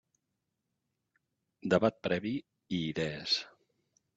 Debat previ i idees.